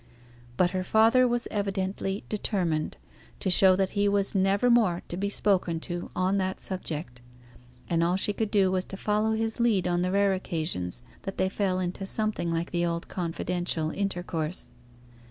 But her father was evidently determined to show that he was never more to be spoken to on that subject; and all she could do was to follow his lead on the rare occasions that they fell into something like the old confidential intercourse.